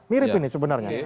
mirip ini sebenarnya